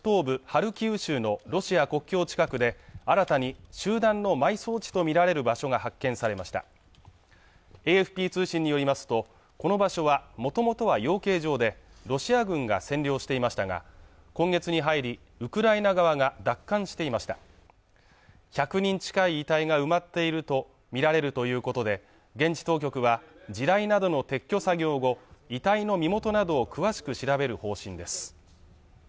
ハルキウ州のロシア国境近くで新たに集団の埋葬地と見られる場所が発見されましたＡＦＰ通信によりますとこの場所はもともとは養鶏場でロシア軍が占領していましたが今月に入りウクライナ側が奪還していました１００人近い遺体が埋まっていると見られるということで現地当局は地雷などの撤去作業後遺体の身元などを詳しく調べる方針です